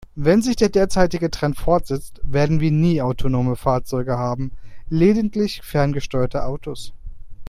Wenn sich der derzeitige Trend fortsetzt, werden wir nie autonome Fahrzeuge haben, lediglich ferngesteuerte Autos.